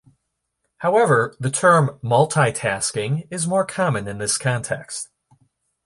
However, the term "multitasking" is more common in this context.